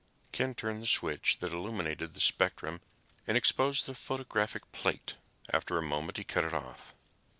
Ken turned the switch that illuminated the spectrum and exposed the photographic plate. After a moment, he cut it off.